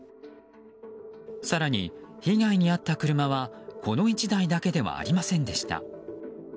更に、被害に遭った車はこの１台だけではありませんでした。